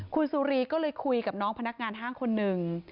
คุณสุรีก็เลยคุยกับน้องพนักงานห้างคนหนึ่ง